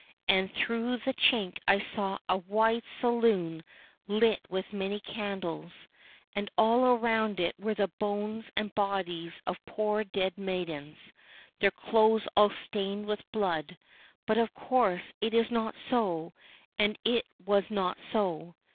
And through the chink I saw a wide saloon lit with many candles, and all round it were the bones and bodies of poor dead maidens, their clothes all stained with blood ; but of course it is not so, and it was not so."